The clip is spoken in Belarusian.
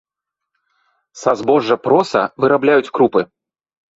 Са збожжа проса вырабляюць крупы.